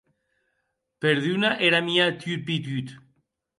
Perdona era mia turpitud!